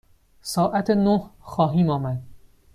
ساعت نه خواهیم آمد.